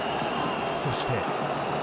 そして。